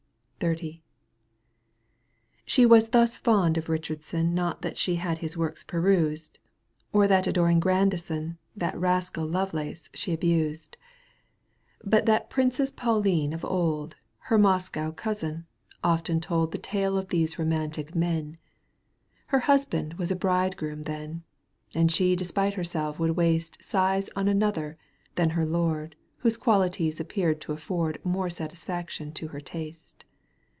XXX. She was thus fond of Eichardson Not that she had his works perused, Or that adoring Grandison That rascal Lovelace she abused ; Digitized by CjOOQ 1С CANTO П. EUGENE ON^GUINE. 55 But that Princess Pauline of old, Her Moscow cousin, often told The tale of these romantic men ; Her husband was a bridegroom then, And she despite herself would waste Sighs on another than her lord Whose qualities appeared to afford More satisfaction to her taste.